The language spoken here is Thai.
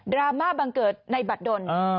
รามาบังเกิดในบัตรดน